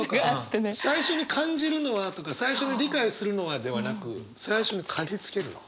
「最初に感じるのは」とか「最初に理解するのは」ではなく「最初にかぎつけるのは」。